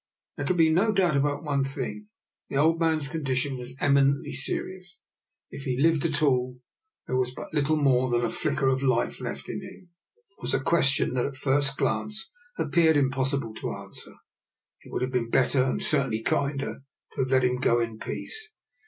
There could be no doubt about one thing, the old man's condition was eminently serious. If he lived at all, there DR. NIKOLA'S EXPERIMENT, 93 was but little more than a flicker of life left in him. How to preserve that flicker was a question that at first glance appeared im possible to answer. It would have been bet ter, and certainly kinder, to have let him go in peace.